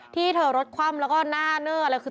ที่เธอรถคว่ำแล้วก็หน้าเนื้อ